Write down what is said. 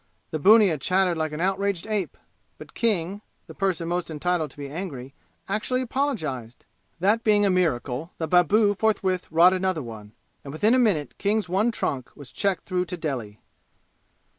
The bunnia chattered like an outraged ape; but King, the person most entitled to be angry, actually apologized! That being a miracle, the babu forthwith wrought another one, and within a minute King's one trunk was checked through to Delhi.